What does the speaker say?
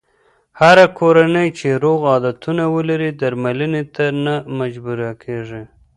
هره کورنۍ چې روغ عادتونه ولري، درملنې ته نه مجبوره کېږي.